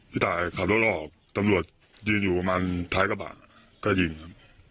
พี่ตายขับรถออกตำรวจยืนอยู่ประมาณท้ายกระบะก็ยิงครับ